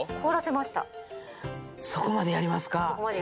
そこまでやりますか。